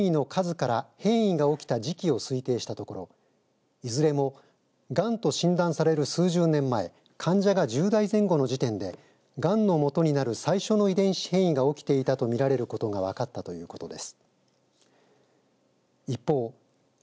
変異の数から変異が起きた時期を推定したところいずれもがんと診断される数十年前患者が１０代前後の時点でがんのもとになる最初の遺伝子変異が起きてたと見られることが分かったということです。